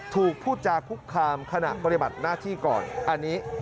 ถูกพูดจากภึกคามขณะบริบัติหน้าที่ก่อน